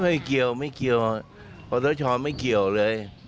ไม่เกี่ยวไม่เกี่ยวปศชไม่เกี่ยวเลย